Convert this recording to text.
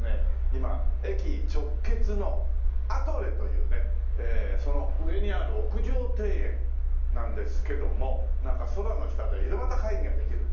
今駅直結のアトレというねその上にある屋上庭園なんですけどもなんか空の下で井戸端会議ができる。